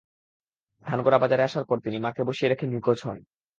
ধানগড়া বাজারে আসার পরে তিনি মাকে বসিয়ে রেখে নিখোঁজ হন।